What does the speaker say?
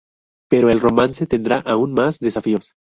Pero el romance tendrá aún más desafíos.